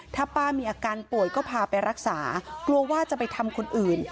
ถ้าป้ามีอาการป่วยก็พาไปรักษากลัวว่าจะไปทำคนอื่น